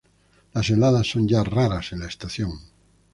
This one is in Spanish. Las heladas son ya raras en la estación.